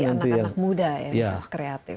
anak anak muda yang sudah kreatif